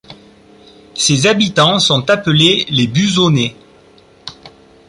Ses habitants sont appelés les Buzonais.